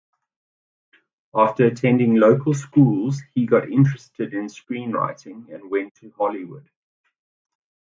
After attending local schools, he got interested in screenwriting and went to Hollywood.